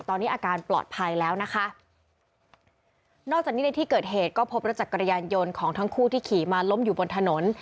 ตอนนี้อาการปลอดภัยแล้วนะคะนอกจากนี้ในที่เกิดเหตุก็พบรถจักรยานยนต์ของทั้งคู่ที่ขี่มาล้มอยู่บนถนน